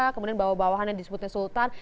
kemudian bawah bawahannya disebutnya sultan